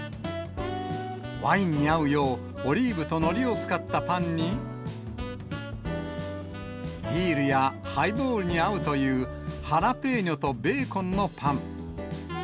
ワインに合うよう、オリーブとのりを使ったパンに、ビールやハイボールに合うという、ハラペーニョとベーコンのパン。